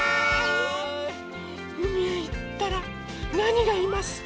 うみへいったらなにがいますか？